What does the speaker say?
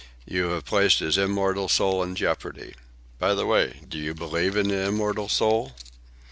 You have placed his immortal soul in jeopardy. By the way, do you believe in the immortal soul?"